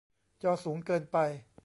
จอสูงเกินไป